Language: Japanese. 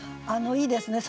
いいですね。